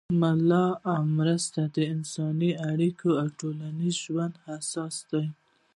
ملاتړ او مرسته د انساني اړیکو او ټولنیز ژوند اساس دی.